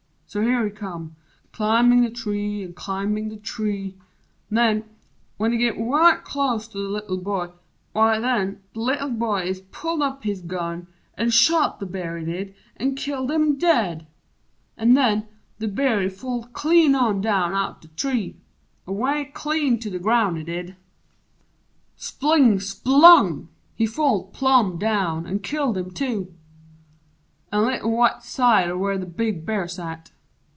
So here he come Climbin' the tree an' climbin' the tree! Nen when He git wite clos't to the Little Boy, w'y nen The Little Boy he ist pulled up his gun An' shot the Bear, he did, an' killed him dead! An' nen the Bear he falled clean on down out The tree away clean to the ground, he did Spling splung! he falled plum down, an' killed him, too! An' lit wite side o' where the Big Bear's at.